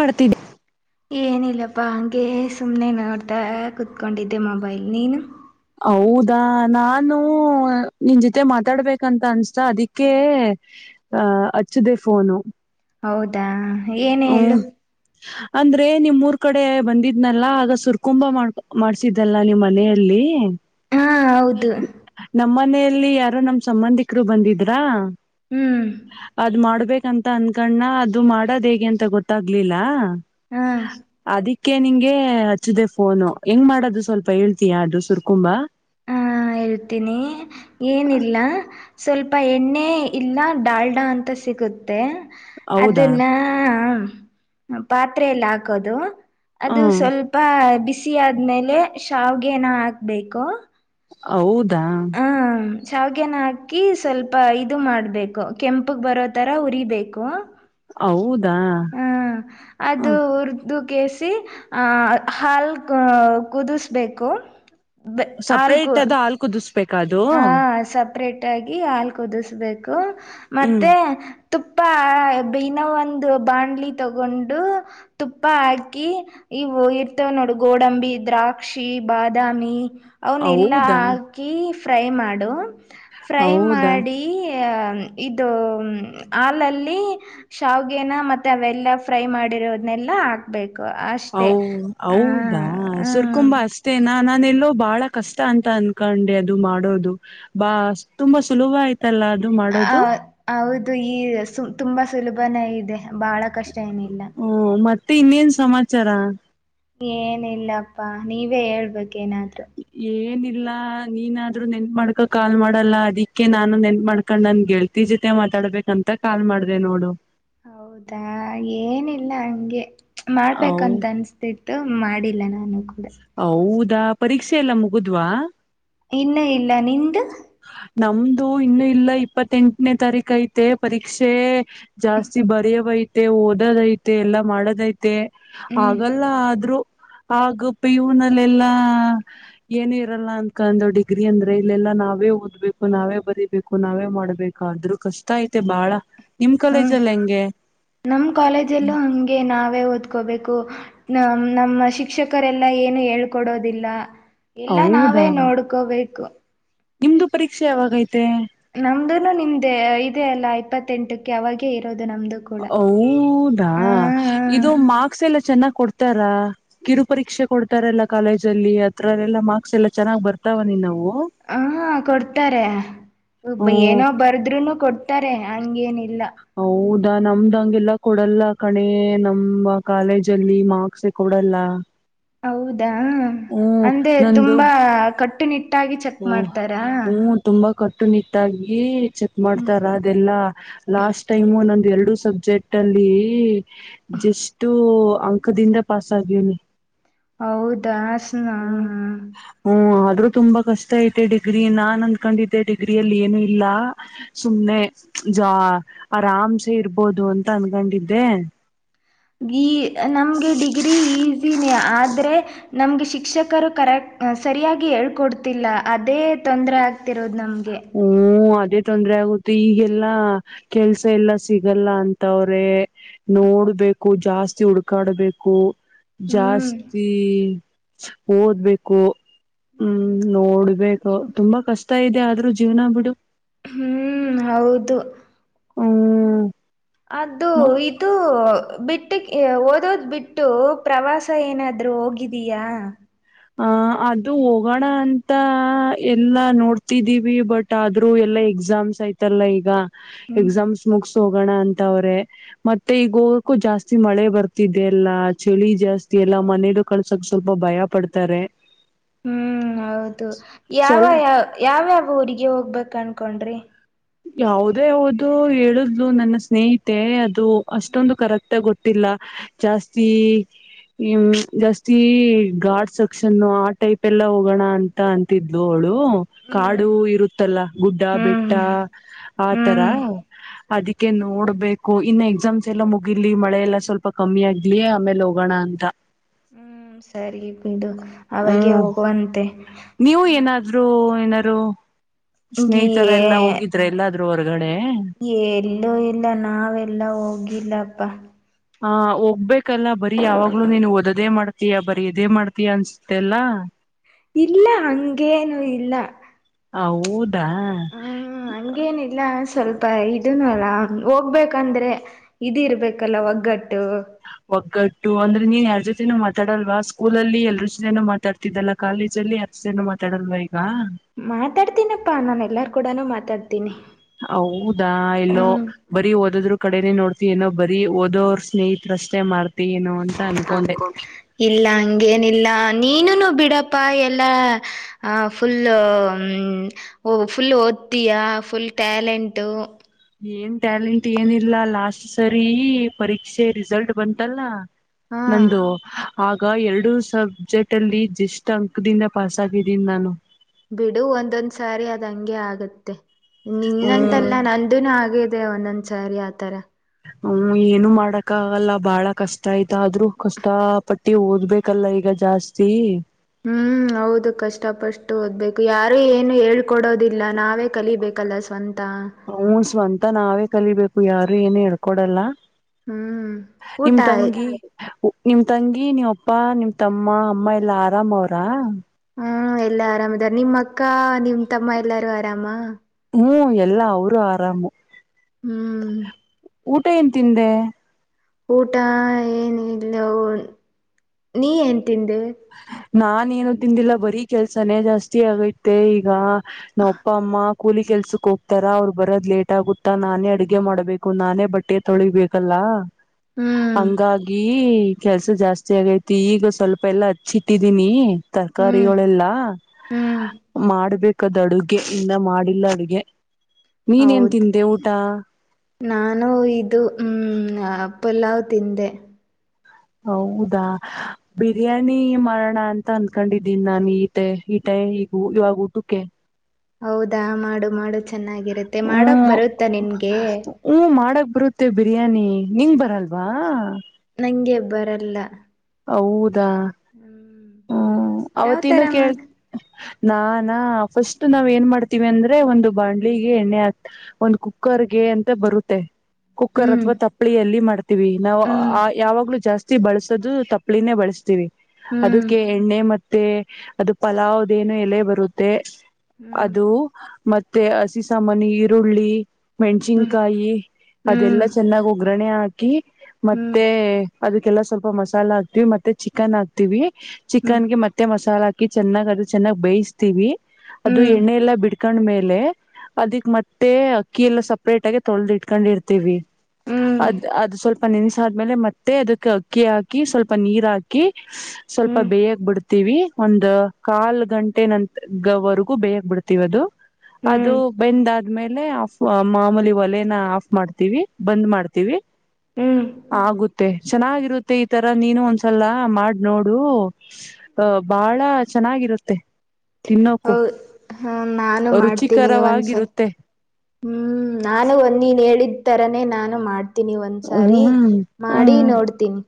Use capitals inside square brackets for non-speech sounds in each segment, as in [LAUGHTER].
ಪಡ್ತಿದ್ದ ಏನಿಲ್ಲಪ್ಪ ಹೆ ಸುಮ್ಮನೆ ನೋಡ್ತಾ ಕುೂತ್ಕೊಂಡಿದ್ದೆ ಮೊಬೈಲ್ ನೀನು ಹೌದಾ ನಾನು ನಿನ್ ಜೊತೆ ಮಾತಾಡ್ಬೇಕಂತ ಅನ್ಸ್ತ ಅದಕ್ಕೆ ಆ ಅಚ್ಚದೇ ಫೋನು ಹೌದಾ ಏನ ಹೇಳು ಹ್ಮ್ ಅಂದ್ರೆ ನಿಮ್ ಮೂರ್ ಕಡೆ ಬಂದಿದ್ನಲ್ಲ ಆಗ ಸುರ್ಕುಂಬ ಮಾಡ್ ಮಾಡ್ಸಿದ್ದಲ್ಲ ನಿಮ್ ಮನೆಯಲ್ಲಿ ಹಾ ಹೌದು ನಮ್ಮ ಮನೆಯಲ್ಲಿ ಯಾರು ನಮ್ ಸಂಬಂಧಿಕರು ಬಂದಿದ್ರಾ ಹ್ಮ್ ಅದ್ ಮಾಡ್ಬೇಕಂತ ಅನ್ಕಣ್ಣ ಅದು ಮಾಡದ್ ಹೇಗೆ ಅಂತ ಗೊತ್ತಾಗ್ಲಿಲ್ಲ ಹಾ ಅದಿ ಅಕೆ ನಿಂಗೆ ಹಚ್ಚದೆ ಫೋನು ಹೆಂಗ್ ಮಾಡೋದು ಸ್ವಲ್ಪ ಹೇಳ್ತಿ ಅು ಸುರ್ಕುಂಬಾ ಹಾ ಹೇಳ್ತೀನಿ ಏನಿಲ್ಲ ಸ್ವಲ್ಪ ಎಣ್ಣೆ ಇಲ್ಲ ಡಾಲ್ಡಾ ಅಂತ ಸಿಗುತ್ತೆ ಹೌದಾ ಅದನ್ನ ಪಾತ್ರೆಯಲ್ಲಿ ಹಾಕೋದು ಅದು ಹ್ಮ್ ಸ್ವಲ್ಪ ಬಿಸಿ ಆದ್ಮೇಲೆ ಶಾವ್ಗೆೇನ ಹಾಕ್ಬೇಕು ಹೌದಾ ಜಾವ್ಗೆನ ಹಾಕಿ ಸ್ವಲ್ಪ ಇದು ಮಾಡಬೇಕು ಕೆಂಪಗೆ ಬರೋ ತರ ಉರಿಬೇಕು ಹೌದಾ ಹಾ ಹ ಅದು ಉರ್ದು ಕೇಸಿ ಆಹ ಹಾಲ್ ಕುದಿಸಬೇಕು ಸಪ್ರೇಟ್ ಅದು ಹಾಲ್ ಕುದಿಸ್ಬೇಕ ಅದು ಾಗಿ ಹಾಲ್ ಕುದಿಸ್ಬೇಕು ಮತ್ತೆ ತುಪ್ಪ ಬಿನೋ ಒಂದು ಬಾಣ್ಲಿ ತಗೊಂಡು ತುಪ್ಪ ಹಾಕಿ ಇವು ಇರ್ತವೆ ನೋಡು ಗೋಡಂಬಿ ದ್ರಾಕ್ಷಿ ಬಾದಾಮಿ ಅವನ್ ಎಲ್ಲಾ ಹೌದಾ ಹಾಕಿ ಫ್ರೈ ಮಾಡು ಫ್ರೈ ಹೌದಾ ಮಾಡಿ ಇ ಹಾಲಲ್ಲಿ ಶಾವಗೆೇನ ಮೆ ಅವೆಲ್ಲ ಫ್ರೈ ಮಾಡಿ ಬರೋದ್ನ್ನೆಲ್ಲ ಹಾಕ್ಬೇಕು ಅಷ್ಟೆ ಹ ಹೌದಾ ಸುರ್ಕುಂಬ ಹ ಅಷ್ಟೇನ ನಾನ ಎಲ್ಲೋ ಬಹಳ ಕಷ್ಟ ಅಂತ ಅನ್ಕೊಂಡೆ ಅದು ಮಾಡೋದು ಬಾ ತುಂಬಾ ಸುಲಭ ಆಯ್ತು ಮತ್ತೆಲ್ಲ ಅದು ಮಾಡೋದು ಇದು ಈ ತುಂಬಾ ಸುಲಭನೇ ಇದೆ ಬಹಳ ಕಷ್ಟ ಏನಿಲ್ಲ ಹಓ ಮತ್ತೆ ಇನ್ನೇನ್ ಸಮಾಚಾರ ಏನಿಲ್ಲಪ್ಪಾ ನೀವೇ ಹೇಳ್ಬೇಕೇಏನಾದ್ರು ಇಲ್ಲ ನೀನಾದ್ರೂ ನೆನ್ ಮಾಡ್ಕ ಕಾಲ್ ಮಾಡಲ್ಲ ಅದಕ್ಕೆ ನಾನು ನೆನ್ ಮಾಡ್ಕೊಂಡ್ ನನ್ ೇಳ್ತಿ ಜೊತೆ ಮತ್ತ ತಡ್ಬೇಕಂತ ಕಾಲ್ ಮಾಡ್ದ ನೋಡು ಹೌದಾ ಏನಿಲ್ಲ ಹಂಗೆ ಹೌ ಮಾಡ್ಬೇಕಂತ ಅನ್ಸ್ತಿತ್ತು ಮಾಡಿಲ್ಲ ನಾವು ಹೌದಾ ಪರೀಕ್ಷೆ ಎಲ್ಲ ಮುಗುದ್ವಾ ಇಲ್ಲ ಇಲ್ಲ ನಿ್ದ ನಮ್ದು ಇನ್ನು ಇಲ್ಲ ಇಪ್ಪತ್ತೆಂಟನೇ ತಾರೀಕ ಐತೆ ಪರೀಕ್ಷೆ ಜಾಸ್ತಿ ಬರೆಯ ಐತೆ ಓದೋದಐತೆ ಎಲ್ಲ ಮಾಡೋದಐತೆ ಹ್ಮ್ ಹಾಗಲ್ಲ ಆದ್ರೂ ಆಗಪ್ಪ ಇವನಲ್ಲೆಲ್ಲಾ ಏನ ಇರಲ್ಲ ಅಂತಕಂದು ಡಿಗ್ರಿ ಅಂದ್ರೆ ಇಲ್ಲೆಲ್ಲಾ ನಾವ ನಾವೇ ಓದ್ಬೇಕು ನಾವೇ ಬರಿೀಬೇಕು ನಾವೇ ಮಾಡ್ಬೇಕು ಆದ್ರೂ ಕಷ್ಟ ಐತೆ ಬಾಳ ನಿಮ್ ಹ್ಮ್ ಕಾಲೇಜಲ್ಲಿ ಹೆಂಗೆ ನಮ್ ಕಾಲೇಜಲ್ಲೂ ಹಂಗೆ ನಾವೇ ಓದ್ಕೋಬೇಕು ನ ನಮ್ಮ ಶಿಕ್ಷಕರೆಲ್ಲ ಏನು ಹೇಳ್ಕೊಡೋದಿಲ್ಲ. ಇಲ್ಲ ನಾವೇ ಹೌದಾ ನೋಡ್ಕೋಬೇಕು. ನಿಮ್ದು ಪರೀಕ್ಷೆ ಯಾವಾಗೈತೆ. ನಮ್ದನು ನಿಮ್ದೆ ಇದೆ ಅಲ್ಲಾ ಇಪ್ಪತ್ತೆಂಟಕ್ಕೆ ಅವಾಗೇ ಇರೋದು. ನಮ್ದು ಕೂಡ ಹೌದಾ ಹ ಇದು ಮಾರ್ಕ್ಸ್ ಎಲ್ಲ ಚೆನ್ನಾಗ್ ಕೊಡ್ತ ರ ಕಿರು ಪರೀಕ್ಷೆ ಕೊಡ್ತಾರಲ್ಲಾ ಕಾಲೇಜ ಅಲ್ಲಿ ಅತ್ರಲ್ಲೆಲ್ಲ ಮಾರ್ಕ್ಸ್ ಎಲ್ಲಾ ಚೆನ್ನಾಗ್ ಬರ್ತಾವ ನೀನ್ವು. ಹ ಕೊಡ್ತಾರೆ. ಬ ಹ್ಮ್ ಏನೋ ಬರ್ದ್ರುನು ಕೊಡ್ತಾರೆ ಹಂಗೇನ ಇ ಹೌದಾ ನಮ್ದಂಗೆಲ್ಲ ಕೊಡಲ್ಲ ಕಣೆ ನಮ್ಮ ಕಾಲೇಜ ಅಲ್ಲಿ ಮಾರ್ಕ್ಸ ಕೊಡಲ್ಲ. ಹೌದಾ, ಹ್ಮ್ ಅಂದ್ರೆ ತುಂಬಾ ಕಟ್ಟುನಿಟ್ಟ ಓ ಹ್ಮ್ ತುಂಬಾ ಕಟ್ಟುನಿಟ್ಟಾಗಿ ಚೆಕ್ ಮಾಡ್ತಾರ ಅದೆಲ್ಲಾ. ಲಾಸ್ಟ್ ಟೈಮ್ ನಂದು ಎರಡು ಸಬ್ಜೆಕ್ಟ್ ಅಲ್ಲಿ ಜಸ್ಟ್ ಅಂಕ, ದಿಂದ ಪಾಸ್ ಆಗುವಿನಿ. ಹೌದಾ ಸ ಹ ಹಾ. ಆದ್ರರು ತುಂಬಾ ಕಷ್ಟ ಐತೆ ಡಿಗ್ರಿ ನಾ ನಾನ್ ಅಂದಕೊಂಡಿದ್ದೆ ಡಿಗ್ರಿ ಅಲ್ಲಿ ಏನು ಇಲ್ಲ. ಸುಮ್ಮ್ನೆ, ಜಾ ಆರಾಮ್ಸೆ ಇರ್ಬೋದು ಅಂತ ಅನ್ಕೊಂಡಿದ್ದೆ. ಗಿ ನಮ್ಗೆ ಡಿಗ್ರಿ ಈಸಿ, ನೇ ಆದ್ರೆ ನಮ್ಗೆ ಶಿಕ್ಷಕರು ಕರೆ ಸರಿಯಾಗಿ ಹೇಳ್ಕೊಡ್ತಿಲ್ಲ. ಅದೇ ತೊ ತೊಂದ್ರೆಆಗ್ತಿರೋದು. ಹ್ಮ್ ಅದೇ, ತೊಂದ್ರೆ ಆಗುತ್ತೆ ಈಗೆಲ್ಲಾ ಕೆಲ್ಸ ಎಲ್ಲಾ ಸಿಗಲ್ಲ ಅಂತವ್ರೆ. ನೋಡ್ಬೇಕು ಜಾಸ್ತಿ ಹುಡ್ಕಾಡ್ಬೇಕು. ಹ್ಮ್ ಜಾಸ್ತಿ ಓದ್ಬೇಕು. ಹ್ಮ್ ನೋಡ್ಬೇಕು ತುಂಬಾ ಕಷ್ಟ ಇದೆ ಆದ್ರೂ ಜೀವ್ನ ಬಿಡು. ಹ್ಮ್ ಹೌದು. ಹ್ಮ್. ಅದು, ಇದು ಬಿಟ್ಟಕ್ಕೆ ಓದೋದ್ ಬಿಟ್ಟು ಪ್ರವಾಸ ಏನಾದ್ರೂ ಹೋಗಿದ್ದೀಯಾ. ಅ ಅದು ಹೋಗೋಣ ಅಂತ ಎಲ್ಲಾ ನೋಡ್ತಿದ್ದೀವಿ. ಬಟ್ ಆದ್ರೂ ಎಲ್ಲ, ಎಕ್ಸಾಮ್ ಆಯ್ತಲ್ಲ ಈಗ. ಹ್ಮ್ ಎಕ್ಸಾಮ್ ಮುಗ ಹೋಗೋಣ ಅಂತ ಅವ್ರೆ. ಮತ್ತೆ ಈಗ ಹೋಗಕ್ಕು ಜಾಸ್ತಿ ಮಳೆ ಬರ್ತಿದ್ದ ಅಲ್ಲ. ಚಳಿ ಜಾಸ್ತಿ, ಎಲ್ಲಾ ಮನೇಲು ಕಳ್ಸಕ್ ಸ್ವಲ್ಪ ಭಯ ಪಡ್ತಾರೆ. ಹ್ಮ್ ಹೌದು ಯಾವ ಸ್ವಲ್ ಯ ಯಾವ್ಯಾವ ಊರಿಗೆ ಹೋಗ್ಬೇಕ ಅನ್ಕೊಂಡ್ರಿ. ಯಾವುದೇ ಹೋದ್ರು ಹೇಳುದ್ಲು ನನ್ನ ಸ್ನೇಹಿತೆ ಅದು ಅಷ್ಟೊಂದು ಕರೆಕ್ಟ್ ಆಗ ಗೊತ್ತಿಲ್ಲ. ಎಲ್ಲ ಜಾಸ್ತಿ, ಹ ಜಾಸ್ತಿ ಗಾರ್ಡ್ ಸಕ್ಷನ್ ಆ ಟೈಪ್ ಎಲ್ಲಾ ಹೋಗೋಣ ಅಂತ ಅಂತಿದ್ಲು ಅವ್ ಳು ಹ್ಮ್ ಕಾಡು ಇರುತ್ತಲ್ಲ. ಗುಡ್ಡ, ಬೆಟ್ಟ ಹ್ಮ್ ಆತರ ಹ್ಮ್ ಅದಕ್ಕೆ ನೋಡ್ಬೇಕು ಇನ್ನು ಎಕ್ಸಾಮ್ಸ್ ಎಲ್ಲ ಮುಗಿಲಿ ಮಳೆಲ್ಲ ಸ ಸ್ವಲ್ಪ ಕಮ್ಮಿ ಆಗ್ಲಿ ಆಮೇಲೆ ಹೋಗೋಣ ಅಂತ. ಹ್ಮ್ ಸರಿ ಬಿಡು ಅವಾಗೆ ಹ್ಮ್ ಹೋಗುವಂತೆ. ಮ ಏನರು ಸ್ನೇಹಿತರೆ ಎಲ್ಲ ಹೋಗಿದ್ರ. ಎಲ್ಲ ಎಲ್ಲೂ ಇಲ್ಲ ನಾವೆಲ್ಲಾ ಹೋಗಿಲ್ಲಪ್ಪ. ಹ ಹೋಗ್ಬೇಕಲ್ಲ ಬರೀ ಯಾವಾಗ್ಲೂ ನೀನ್ನು ಓದದೇ ಮಾಡ್ ತಿಯಾ ಬರೀ ಇದೇ ಮಾಡ್ತೀಯಾ ಅನ್ಸುತ್ತೆ ಅಲ್ಲಾ. ಇಲ್ಲ ಹಂಗೇನು ಇಲ್ಲ. ಹೌದ, ಹಾ ಹಂಗೇನಿಲ್ಲ ಸ್ವಲ ಇದನು ಅಲ್ಲ ಹೋಗ್ಬೇಕಂದ್ರೆ ಇದ ಇರ್ಬೇಕಲ್ಲ ಒಗ್ಗಟ್ಟು. ಒಗ್ಗಟ್ಟು ಅಂದ್ರೆ ನೀನ್ ಯಾರ್ ಜೊತೆೇನೂ ಮಾತಾಡಲ್ವಾ ಸ್ಕೂಲ ಅಲ್ಲಿ ಎಲ್ರ ಜೊತೆನೂ ಮಾತಾಡ್ತಿದ್ದಲ್ಲ. ಕಾಲೇಜ, ಅಲ್ಲಿ ಯಾರ ಜೊತೆನು ಮಾತಾಡಲ್ವ ಈಗ. ಮಾತಾಡ್ತೀನಪ್ಪಾ ನಾನ ಎಲ್ಲಾರ್ ಕೂಡ ಮಾತಾಡ್ತನಿ. ಹೌದಾ ಇಲ್ಲೋ ಹ್ಮ್ ಬರಿ ಓದದ್ರು. ಕಡೆನೇ ನೋಡ್ತಿ ಏನೋ ಬರೀ ಓದೋರ ಸ್ನೇಹಿತರ ಅಷ್ಟೇ ಮಾಡ್ತಿ ಏನೋ ಅಂತ. ಅನ್ಕೊಂಡೆ ಇಲ್ಲ ಹಂಗೇನಿಲ್ಲ. ನೀನುನು ಬಿಡಪಾ ಎಲ್ಲ ಫುಲ್ ಹು-ಹು-ಫುಲ್ ಓದ ಓದ್ತೀಯಾ ಫುಲ್ ಟ್ಯಾಲೆಂಟು. ಏನ್ ಟ್ಯಾಲೆಂಟ್ ಏನಿಲ್ಲ ಲಾಸ್ಟ್ ಸರಿ ಪರೀಕ್ಷೆ ರಿಸಲ್ಟ್ ಬಂತಲ್ಲ. ಹಾ ನಂದು ಆಗ ಎರಡು ಸಬ್ಜೆಕ್ಟ್ ಅಲ್ಲಿ ಜಸ್ಟ್ ಅಂಕದಿಂದ ಪಾಸ್ ಆಗಿದ್ದೀನಿ ನಾನು. ಬಿಡು ಒಂದೊಂದ್ ಸಾರಿ ಅದ್ ಹಂಗೆ ಆಗತ್ತೆ. ಹ್ಮ್ ನಿನ್ನಂತಲ್ಲ ನಂದನು ಹಾಗೇದೆ ಒಂದೊಂದ್ಸಾರಿ ಆತರ. ಹೂ -ಏನು ಮಾಡಕ ಆಗಲ್ಲ ಬಾಳ ಕಷ್ಟ ಐತಿ ಆದ್ರೂ ಕಷ್ಟ ಪಟ್ಟಿ ಓದ್ಬೇಕಲ್ಲ ಈಗ. ಜಾಸ್ತಿ. ಹೂ -ಹೌದು ಕಷ್ಟಪಷ್ಟು ಓದ್ಬೇಕು ಯಾರು ಏನು ಹೇಳ್ಕೊಡೋದಿಲ್ಲ. ನಾವೇ ಕಲಿಬೇಕಲ್ಲ ಸ್ವಂತ. ಮತ್ತ ನಾವೇ ಕಲಿಬೇಕು ಯಾರು ಏನು ಹೇಳ್ಕೊಡಲ್ಲ. ಹ್ಮ್ ನಿಮ ಊಟ ಆಯ್ ತಂಗಿ [UNINTELLIGIBLE] ನಿಮ ತಂಗಿ ನೀವ್ ಅಪ್ಪ ನಿಮ್ ತಮ್ಮ ಅಮ್ಮ ಎಲ್ಲಾ ಆರಾಮ ಅವ್ರ. ಹೂ -ಎಲ್ಲಾ ಆರಾಮ್ದಾರ ನಿಮ್ಮ್ ಅಕ್ಕ ನಿಮ್ ತಮ್ಮ ಎಲ್ಲಾರು ಆರಾಮ. ಹೂ- ಎಲ್ಲಾ ಅವರು ಆರಾಮು. ಹು ಊಟ ಏನ್ ತಿಂದೆ. ಊಟ ಏನ ಇಲ್ಲ- [UNINTELLIGIBLE] ನೀ- ಏನ್ ತಿಂದೆ. ನಾನ್ ಏನು ತಿಂದಿಲ್ಲ ಬರೀ ಕೆಲ್ಸಾನೇ ಜಾಸ್ತಿ ಆಗೈತೆ ಈಗ ನಾ ಅಪ್ಪ ಅಮ್ಮ ಕೂಲಿ ಕೆಲ್ಸ. ಸಕ್ ಹೋಗ್ತಾರ ಅವ್ರ್ ಬರೋದ್ ಲೇಟ್ ಆಗುತ್ತಾ ನಾನೇ ಅಡಗೆ ಮಾಡ್ಬೇಕು ನಾನೇ ಬಟ್ಟೆ ತೊಳಿಬೇಕಲ್ಲ. ಹ್ಮ್ ಹಂಗಾಗಿ ಕೆಲ್ಸ ಜಾಸ್ತಿ ಆಗೈತಿ ಈಗ ಸ್ವಲ್ಪ ಎಲ್ಲಾ, ಹಚಿಟ್ಟಿದೀನಿ ಹ್ಮ್ ತರಕಾರಿಗಳೆಲ್ಲಾ ಹ್ಮ್ ಮಾಡ್ಬೇಕು. ಪಕ್ಕದ್ ಅಡುಗೆ ಇನ್ನ ಮಾಡಿಲ್ಲ ಅಡುಗೆ ನೀನ್ ಏನ್ ಹೌದು ತಿಂದೆ ಊಟ. ನಾನು ಇದು ಹೂಂ ಪುಲಾವ್ ತಿಂದೆ. ಹೌದಾ ಬಿರಿಯಾನಿ ಮಾಡೋಣ ಅಂತ ಅನ್ಕೊಂಡಿದ್ದೀನಿ ನಾನನ್ ಈಟ ಈಟೈ ಈಗ ಇವಾಗ ಊಟಕ್ಕೆ. ಹೌದಾ ಮಾಡು ಮಾಡು ಚೆನ್ನಾಗಿರುತ್ತೆ. ಮಾಡಕ್ ಹ್ಮ್ ಬರುತ್ತ ನಿನ್ಗೆ, ಹ್ಮ ಮಾಡಕ್ ಬರುತ್ತೆ ಬಿರಿಯಾನಿ ನಿಂಗ ಬರಲ್ವಾ. ನಂಗೆ ಬರಲ್ಲ. ಹೂ [INAUDIBLE] ಹೂಂ- ಅವತ್ತನೂ ಕೇಳ್ ನಾನಾ ಫಸ್ಟ್ ನಾವ್ ಏನ್ ಮಾಡ್ತೀವಿ. ಅಂದ್ರೆ ಒಂದು ಬಾಣ್ಲಿಗೆ ಎಣ್ಣೆ ಹಾಕಿ ಒಂದ್ ಕುಕ್ಕರ್, ಅಂತ ಬರುತ್ತೆ ಕುಕ್ಕರ್ ಹ್ಮ್ ಅಥವಾ ತಪ್ಳ ಅಲ್ಲಿ ಮಾಡ್ತೀವಿ ನಾವು ಹ್ಮ್ ಯಾವಾಗಲೂ ಜಾಸ್ತಿ. ಬಳಸೋದು ತಪ್ಲಿನೇ ಬಳಸ್ತೀವಿ. ಹೂ ಅದಕ್ಕೆ ಎಣ್ಣೆ ಮತ್ತೆ ಅದು ಪಲಾವ್ದೇನು ಎಲೆ ಬರುತ್ತೆ ಹ್ಮ್ ಅದು. ಮತ್ತೆ ಹಸಿ ಸಾಮಾನಿ ಈರುಳ್ಳಿ, ಹ್ಮ್ ಮೆಣಸಿನ್ಕಾಯಿ ಅದೆಲ್ಲಾ ಹ್ಮ್ ಚೆನ್ನಾಗಿ ಒಗ್ಗರಣೆ ಹಾಕಿ ಮತ್ತೆ, ಹ್ಮ್ ಅದಕ್ಕೆಲ್ಲಾ ಸ್ವಲ್ಪ ಮಸಾಲ ಹಾಕ್ತಿವಿ ಮತ್ತೆ ಚಿಕನ್ ಹಾಕ್ತಿವಿ ಹ್ಮ್ ಹ್ಮ್ ಚಿಕನ್ ಗೆ ಮತ್ತೆ ಮಸಾಲ -ಹ- ಚನ್ನ ಅದು ಚೆನ್ನಾಗ್ ಬಯಸ್ತೀವಿ ಅದು ಹ್ಮ್ ಎಣ್ಣೆ ಎಲ್ಲಾ -ಬಿ- ಇಟ್ಕೊಂಡ್ಮೇಲೆ ಅದಿ ಮತ್ತೆ ಅಕ್ಕಿ ಎಲ್ಲ ಸಪ್ರೇಟ್ ಆಗಿ ತೊಳೆದುಕೂಂಡು ಇಟ್ಕೊಂಡ ಇರ್ತೀವಿ. ಅದ್ ಅದು ಸ್ವಲ್ಪ, ಸ್ವಲ್ಪ ನೆಸ ಆದ್ಮೇಲೆ ಮತ್ತೆ ಅದಕ್ಕೆ ಅಕ್ಕಿ ಹಾಕಿ ಸ್ವಲ್ಪ ನೀರ್ ಹಾಕಿ. ಸ್ವಲ್ಪ ಹ್ಮ್ ಬೇಯಕ್ ಬಿಡ್ತೀವಿ ಒಂದ ಕಾಲ್ ಗಂಟೆ ನಂತವರೆಗೂ ಬೇಯಕ್ ಬಿಡ್ತೀವಿ ಅದು. ಅದು ಹ್ಮ್ ಬೆಂದ ಗಾ ಆದ್ಮೇಲೆ ಆಫ್ ಮಾಮೂಲಿ ಒಲೆನ ಆಫ್ ಮಾಡ್ತೀವಿ ಬಂದ್ ಮಾಡ್ತೀವಿ ಹ್ಮ್ ಆಗುತ್ತೆ ಚೆನ್ನಾಗಿರುತ್ತೆ ಈ ತರ ನೀನು ಒಂದ್ಸಲ ಮಾಡಿ ನೋಡು ಅಹ ಬಾಳ ಚೆನ್ನಾಗಿರುತ್ತೆ ಹೌ ತಿನ್ನೋಕು ಹ ನಾನು ಮಾಡ್ತೀನಿ ಒಂದ್ಸರಿ ರುಚಿಕರವಾಗಿರುತ್ತೆ ಹ್ಮ್ ನಾನು ಒಂದ ನೀನ್ ಹೇಳಿದ ತರಾನೇ ನಾನು ಮಾಡ್ ತನಿ ಒಂದ್ಸಾರಿ ಹ್ಮ್ ಮಾಡಿ ಹ್ಮ್ ನೋಡ್ತೀನಿ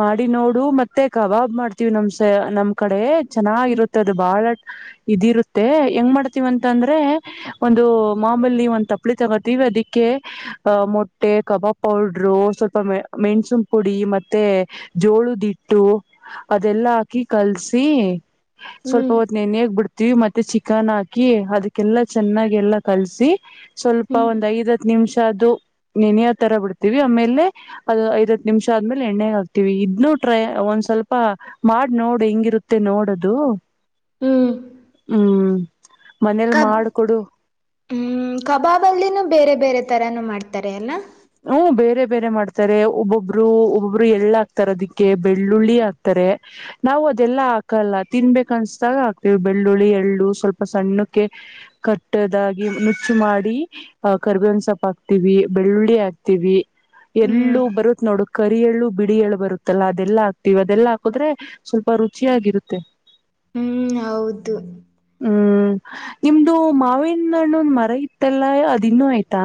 ಮಾಡಿ ನೋಡು ಮತ್ತೆ ಕಬಾಬ್ ಮಾಡ್ತೀವಿ ನಮ್ ಸ ನಮ್ ಕಡೆ ಚೆನ್ನಾಗಿರುತ್ತೆ ಅದು ಬಾಳ ಇದಿರುತ್ತೆ ಹೆಂಗ್ ಮಾಡ್ತೀವ ಅಂತ ಅಂದ್ರೆ ಒಂದು ಮಾಮಲಿ ಒಂದ್ ತಪ್ಲಿ ತಗೋತಿವಿ ದಕ್ಕೆ ಮೋಟ್ಟೆ ಕಬಬ್ ಪೌಡ್ರು ಸ್ವಲ್ಪ ಮೆಣಸುನ್ ಪುಡಿ ಮತ್ತೆ ಜೋಳದಿಟ್ಟು ಅದೆಲ್ಲ ಎಲ್ಲ ಹಾಕಿ ಕಲ್ಸಿ ಸ್ವಲ್ಪ ಹ್ಮ್ ಹೊತ್ ನ ಬಿಡ್ ಹವಿ ಮತ್ತೆ ಚಿಕನ್ ಹಾಕಿ ಅದಕ್ಕೆಲ್ಲಾ ಚೆನ್ನಾಗ ಎಲ್ಲಾ ಕಲ್ಸಿ ಸ್ವಲ್ಪ ಹ್ಮ್ ಒಂದ್ ಐದ ಹತ್ ನಿಮಿಷ ಅದು ನೆನೆಯ ತರ ಬಿಡ್ತ ಆಮೇಲೆ ಅ ಐದತ್ ನಿಮಿಷ ಆದ್ಮೇಲೆ ಎಣ್ಣೆ ಹಾಕ್ತಿವಿ ಇದನ್ನು ಟ್ರೈ ಒಂದ್ ಸ್ವಲ್ಪ ಆಾಡ್ ನೋಡ್ ಹೆಂಗಿರುತ್ತೆ ನೋಡದು ಹ್ಮ್ ಹ್ಮ್ ಮನೇಲಿ ಕಬ್ ಮಾಡ ಕೊಡು ಹ್ಮ್ ಕಬಾಬ್ ಅಲ್ಲಿನೂ ಬೇರೆ ಬೇರೆ ತರಾನು ಮಾಡ್ತಾರೆ ಅಲ್ಲ ಹ ಬೇರೆ ಬೇರೆ ಮಾಡ್ತಾರೆ ಒಬ್ಬೊಬ್ರು ಒಬ್ಬೊಬ್ರು ಎಳ್ಳ ಹಕ್ತಾರೆ ಅದಿಕ್ಕೆ ಬೆಳ್ಳುಳ್ಳಿ ಹಾಕ್ತಾರೆ ನಾವು ಅದೆಲ್ಲ ಹಾಕಲ್ಲ ತಿನ್ಬೇಕ ಅನ್ಸ್ದಾಗ ಹಾಕ್ತಿವಿ ಬೆಳ್ಳುಳ್ಳಿ ಎಳ್ಳು ಸ್ವಲ್ಪ ಸಣ್ಣಕ್ಕೆ ಕಟ್ಟದಾಗಿ ನುಚ್ಚು ಮಾಡಿ ಆ ಕರ್ಬೇ ಒಂದ್ ಸೊಪ್ಪ ಹಾಕ್ತಿವಿ ಬೆಳ್ಳುಳ್ಳಿ ಹಾ ಹ್ಮ್ ಎಲ್ಲೂ ಬರುತ್ ನೋಡ ಕರಿಯಳ್ಳು ಬಿಡಿ ಎಳ್ಳು ಬರುತ್ತಲ್ಲಾ ಅದೆಲ್ಲಾ ಹಾಕ್ತಿವಿ ಅದೆಲ್ಲ ಹಾಕದ್ರೆ ಸ್ವಲ್ಪ ರುಚಿಯಾಗಿರುತ್ತೆ ಹ್ಮ್ ಹೌದು ಹ್ಮ್ ನಿಮ್ದು ಮಾವಿನ ಹಣ್ಣುಂದು ಮರ ಇತ್ತಲ್ಲ ಅದಿನ್ನುೂ ಆಯ್ತಾ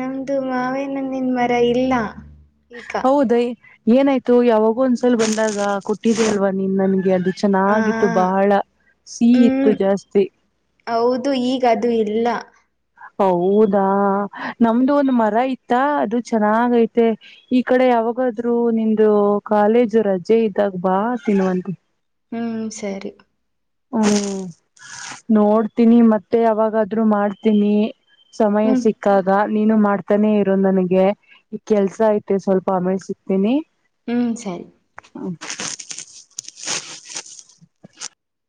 ನಮ್ದು ಮಾವೇನನ್ನನ್ ಮರ ಇಲ್ಲ ಈಗ ಹೌದೈ ಏನಾಯ್ತು ಯಾವಾಗ ಒಂದ್ಸಲ್ ಬಂದಾಗ ಕೊಟ್ಟಿದ ಅಲ್ವಾ ನೀನ್ ನನ್ಗೆ ಅಡ್ ಆ ಚೆನ್ನಾಗಿತ್ತು ಬಹಳ ಸಿಹ ಇತ್ತು ಹ್ಮ್ ಜಾಸ್ತಿ ಹೌದು ಈಗ ಅದು ಇಲ್ಲ ಹೌದಾ ನಮ್ದು ಒಂದ್ ಮರ ಇತ್ತ ಅದು ಚೆನ್ನಾಗ ಐತೆ ಈ ಕಡೆ ಅವಾಗಾದ್ ಬಾ ನಿಮ್ದ ಕಾಲೇಜು ರಜೆ ಇದ್ದಾಗ ಬಾ ತಿನ್ವಂತಿ ಹ್ಮ್ ಸರಿ ಹ್ಮ್ ನೋಡ್ತೀನಿ ಮತ್ತೆ ಯಾವಾಗಾದ್ರು ಮಾಡ್ತೀನಿ ಸಮಯ ಹ್ಮ್ ಸಿಕ್ಕಾದ ನೀನು ಮಾಡ್ತಾನೆ ಇರೋ ನನಗೆ ಈ ಕೆಲ್ಸ ಐತೆ ಸ್ವಲ್ಪ ಅಮೇಸತೀನಿ ಹ್ಮ್ ಸರಿ